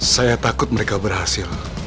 saya takut mereka berhasil